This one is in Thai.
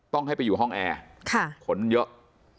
ต้องให้ไปอยู่ห้องแอร์ขนเยอะ